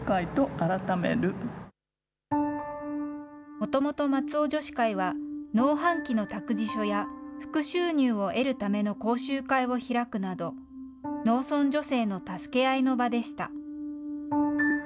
もともと松尾女子会は、農繁期の託児所や副収入を得るための講習会を開くなど、農村女性の助け合いの場でした。